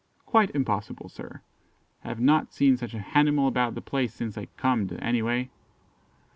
"Quite impossible, sir; have not seen such a hanimal about the place since I comed, any way."